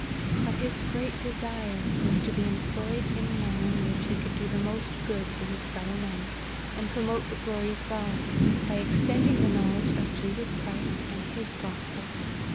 But his great de sire was to be employed in the manner in which he could do the most good to his fellow men, and promote the glory of God, by extending the know ledge of Jesus Christ and his gospel.